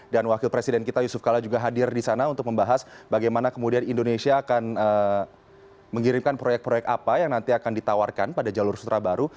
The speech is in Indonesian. dan wakil presiden kita yusuf kalla juga hadir di sana untuk membahas bagaimana kemudian indonesia akan mengirimkan proyek proyek apa yang nanti akan ditawarkan pada jalur sutra baru